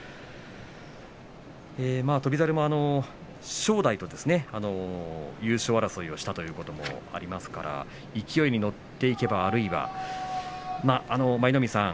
翔猿も正代と優勝争いをしたということもありますから勢いに乗っていくとあるいは、舞の海さん